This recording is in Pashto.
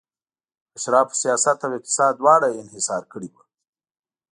اشرافو سیاست او اقتصاد دواړه انحصار کړي وو